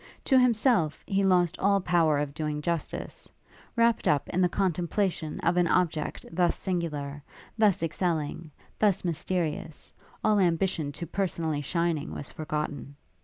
To himself, he lost all power of doing justice; wrapt up in the contemplation of an object thus singular, thus excelling, thus mysterious, all ambition to personally shining was forgotten.